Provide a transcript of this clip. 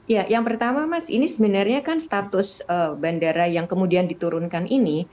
ya yang pertama mas ini sebenarnya kan status bandara yang kemudian diturunkan ini